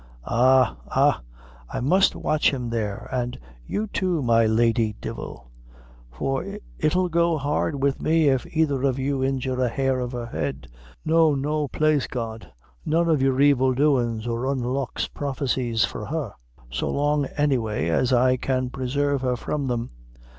Ah, ah! I must watch him there; an' you, too, my lady divil for it 'ill go hard wid me if either of you injure a hair of her head. No, no, plaise God! none of your evil doins or unlucks prophecies for her, so long, any way, as I can presarve her from them.